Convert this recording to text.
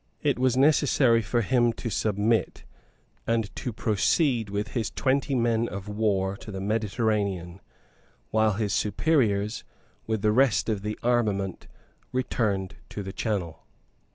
It was necessary for him to submit, and to proceed with his twenty men of war to the Mediterranean, while his superiors, with the rest of the armament, returned to the Channel.